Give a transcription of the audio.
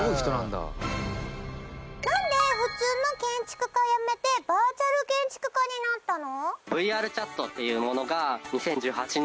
なんで普通の建築家を辞めてバーチャル建築家になったの？